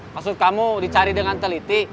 maksud kamu dicari dengan teliti